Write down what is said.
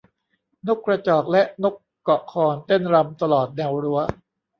นกกระจอกและนกเกาะคอนเต้นรำตลอดแนวรั้ว